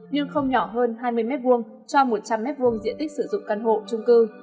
nhưng không nhỏ hơn hai mươi m hai cho một trăm linh m hai diện tích sử dụng căn hộ trung cư